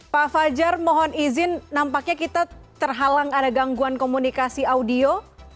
pak fajar mohon izin nampaknya kita terhalang ada gangguan komunikasi audio